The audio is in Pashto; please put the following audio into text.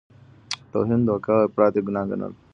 توهین، دوکه او افراط یې ګناه ګڼل.